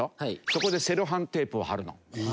そこでセロハンテープを貼るの。